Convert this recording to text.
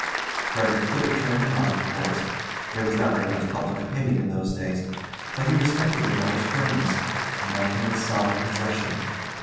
Frederick could have turned him out, of course there was not very much public opinion in those days but he respected the miller's firmness, and left him in solid possession.